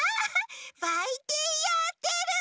ばいてんやってる！